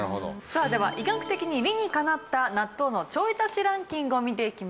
さあでは医学的に理にかなった納豆のちょい足しランキングを見ていきましょう。